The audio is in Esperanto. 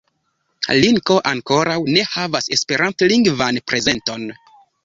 Linko ankoraŭ ne havas esperantlingvan prezenton.